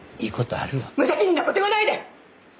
無責任な事言わないで！